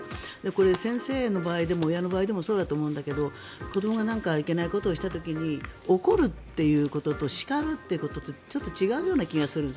これ、先生の場合でも親の場合でもそうだけど子どもが何かいけないことをした時に怒るということと叱るということとちょっと違う気がする。